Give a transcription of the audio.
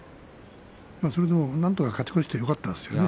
それでも、なんとか勝ち越してよかったですよね。